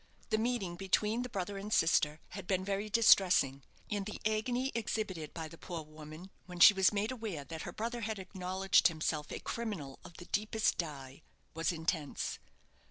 The meeting between the brother and sister had been very distressing, and the agony exhibited by the poor woman when she was made aware that her brother had acknowledged himself a criminal of the deepest dye, was intense.